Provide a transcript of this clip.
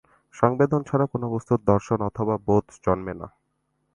সংবেদন ছাড়া কোন বস্তুর দর্শন অথবা বোধ জন্মে না।